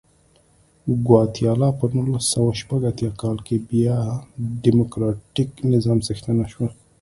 ګواتیلا په نولس سوه شپږ اتیا کال کې بیا ډیموکراتیک نظام څښتنه شوه.